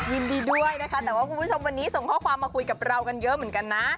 ยินดีด้วยนะคะแต่ว่าคุณผู้ชมวันนี้ส่งข้อความมาคุยกับเรากันเยอะเหมือนกันนะ